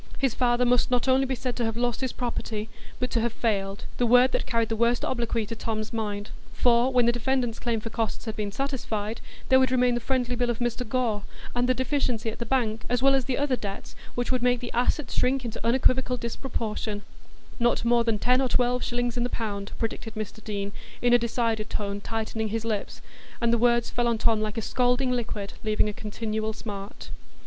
His father must not only be said to have "lost his property," but to have "failed,"—the word that carried the worst obloquy to Tom's mind. For when the defendant's claim for costs had been satisfied, there would remain the friendly bill of Mr Gore, and the deficiency at the bank, as well as the other debts which would make the assets shrink into unequivocal disproportion; "not more than ten or twelve shillings in the pound," predicted Mr Deane, in a decided tone, tightening his lips; and the words fell on Tom like a scalding liquied, leaving a continual smart.